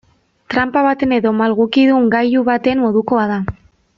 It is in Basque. Tranpa baten edo malgukidun gailu baten modukoa da.